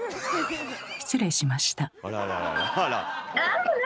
失礼しました。